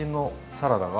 サラダが。